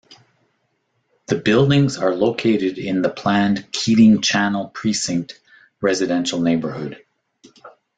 The buildings are located in the planned Keating Channel Precinct residential neighbourhood.